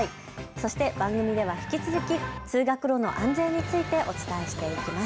そして番組では引き続き通学路の安全についてお伝えしていきます。